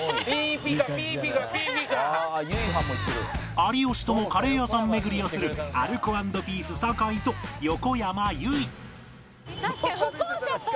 有吉ともカレー屋さん巡りをするアルコ＆ピース酒井と横山由依